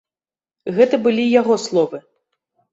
Гэта былі яго словы.